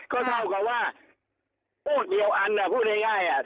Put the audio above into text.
เขาเท่ากับว่าพูดเดียวอันค่ะพูดได้ง่ายอ่ะ